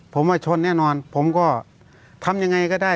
ผมว่าชนแน่นอนผมก็ทำยังไงก็ได้